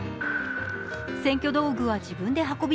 選挙道具は自分で運び